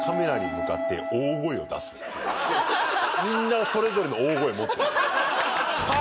みんなそれぞれの大声を持ってるんですよ。